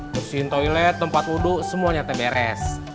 pusihin toilet tempat wudhu semuanya teberes